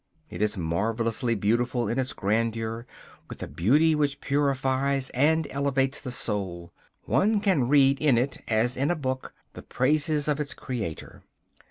It is marvellously beautiful in its grandeur, with a beauty which purifies and elevates the soul. One can read in it, as in a book, the praises of its Creator.